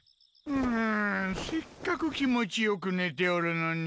うんせっかく気持ちよくねておるのに。